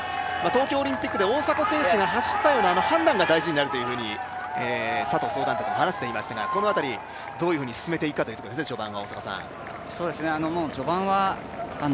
東京オリンピックで大迫選手が走ったようなあの判断が大事になってくるというふうに佐藤総監督も話していましたがこの辺り、どういうふうに序盤を進めていくかというところですね。